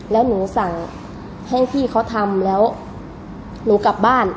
แล้วหนูสั่งให้พี่เขาทำแล้วหนูกลับบ้าน